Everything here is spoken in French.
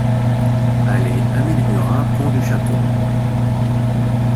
Allée Amélie Murat, Pont-du-Château